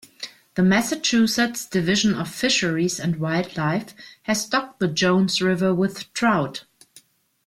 The Massachusetts Division of Fisheries and Wildlife has stocked the Jones River with trout.